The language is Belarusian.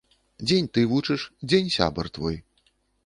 Дзень ты вучыш, дзень сябар твой.